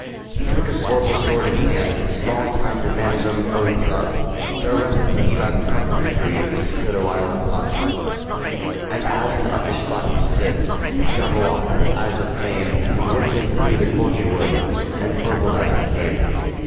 He took his vorpal sword in hand:Long time the manxome foe he sought—So rested he by the Tumtum tree, And stood awhile in thought. And as in uffish thought he stood, The Jabberwock, with eyes of flame, Came whiffling through the tulgey wood, And burbled as it came!